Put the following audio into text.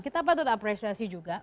kita patut apresiasi juga